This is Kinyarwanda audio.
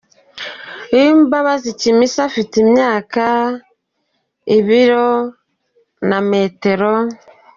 Uwimbabazi Kimisa afite imyaka , ibiro na metero .